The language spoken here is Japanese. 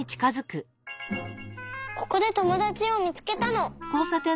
ここでともだちをみつけたの。